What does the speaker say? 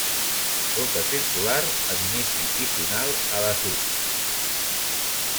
Ruta circular amb inici i final a l'Assut.